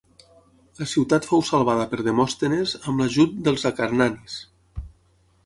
La ciutat fou salvada per Demòstenes amb l'ajut dels acarnanis.